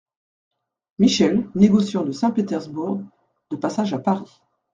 Michel, négociant de Saint-Pétersbourg, de passage à Paris.